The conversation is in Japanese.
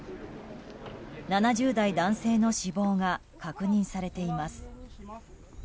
７０代男性の死亡が確認されています。